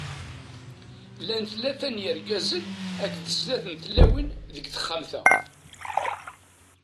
Llan tlata n yirgazen akked d snat n tlawin deg texxamt-a.